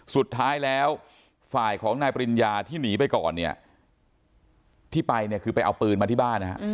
สุดท้ายแล้วฝ่ายของนายปริญญาที่หนีไปก่อนเนี่ยที่ไปเนี่ยคือไปเอาปืนมาที่บ้านนะฮะ